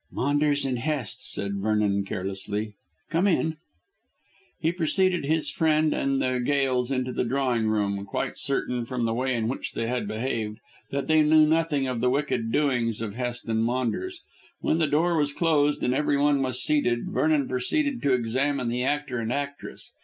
"Maunders and Hest," said Vernon carelessly; "come in." He preceded his friend and the Gails into the drawing room, quite certain, from the way in which they had behaved, that they knew nothing of the wicked doings of Hest and Maunders. When the door was closed and everyone was seated Vernon proceeded to examine the actor and actress.